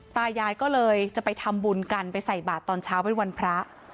ตายายก็เลยจะไปทำบุญกันไปใส่บาทตอนเช้าเป็นวันพระ